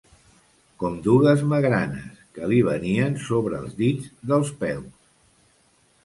Com dugues magranes, que li venien sobre'ls dits dels peus